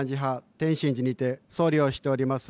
天真寺にて僧侶をしております